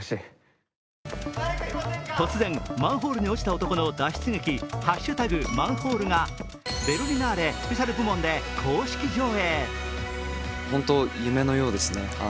突然、マンホールに落ちた男の脱出劇「＃マンホール」がベルリナーレ・スペシャル部門で公式上映。